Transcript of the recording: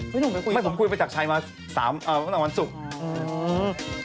ไม่ผมคุยกับน้องมายูไปจากชัยมา๓วันศุกร์